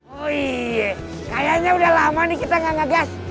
oieee kayaknya udah lama nih kita gak ngegas